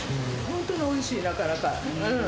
本当においしい、なかなか。